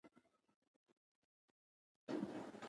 وینه په رګونو کې جریان لري